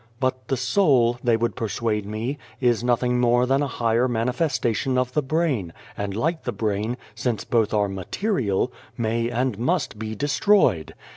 But the soul, they would persuade me, is nothing more than a higher manifesta tion of the brain, and, like the brain since both are material may and must be des troyed.